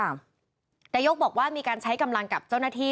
นายกบอกว่ามีการใช้กำลังกับเจ้าหน้าที่